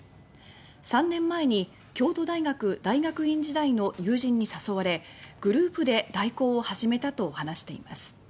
３年前に京都大学大学院時代の友人に誘われグループで代行を始めたと話しています。